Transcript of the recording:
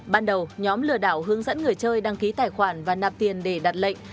ban đầu nhóm lừa đảo hướng dẫn người chơi đăng ký tài khoản và nạp tiền để đặt lệnh